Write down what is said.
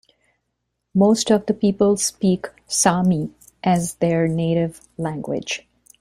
Most of the people speak Sami as their native language.